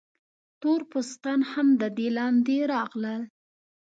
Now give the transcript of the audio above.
تور پوستان هم د دې لاندې راغلل.